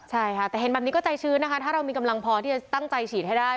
ใช่ค่ะแต่เห็นแบบนี้ก็ใจชื้นนะคะถ้าเรามีกำลังพอที่จะตั้งใจฉีดให้ได้